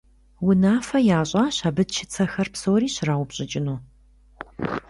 Унафэ ящӀащ абы чыцэхэр псори щраупщӀыкӀыну.